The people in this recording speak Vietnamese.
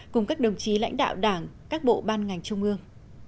cùng các đồng chí lãnh đạo đảng các bộ ban ngành trung ương